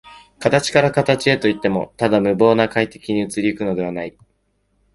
形から形へといっても、ただ無媒介的に移り行くというのではない。